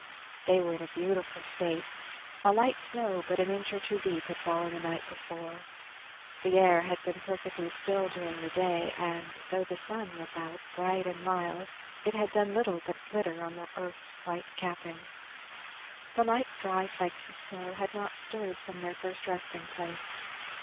They were in a beautiful state. A light snow but an inch or two deep had fallen the night before; the air had been perfectly still during the day; and though the sun was out, bright and mild, it had done little but glitter on the earth's white capping. The light dry flakes of snow had not stirred from their first resting place.